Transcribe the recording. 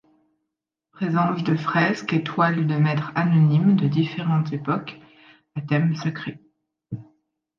Presence de fresques et toiles de maîtres anonymes de différentes époques à thèmes sacrés.